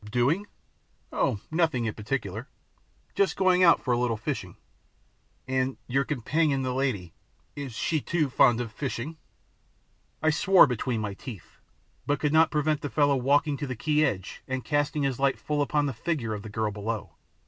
"Doing? Oh, nothing in particular, just going out for a little fishing." "And your companion the lady is she too fond of fishing?" I swore between my teeth, but could not prevent the fellow walking to the quay edge and casting his light full upon the figure of the girl below.